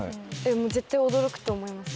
絶対驚くと思います。